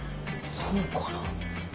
そうかな？